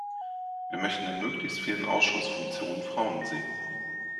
Wir möchten in möglichst vielen Ausschussfunktionen Frauen sehen.